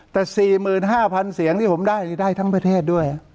แต่สี่หมื่นห้าพันเสียงที่ผมได้ได้ทั้งประเทศด้วย